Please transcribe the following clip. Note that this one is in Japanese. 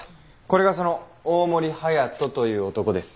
これがその大森隼人という男です。